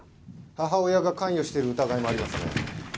母親が関与している疑いもありますね。